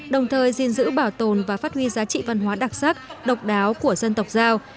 đồng thời gìn giữ bảo tồn và phát huy giá trị văn hóa đặc sắc độc đáo của dân tộc giao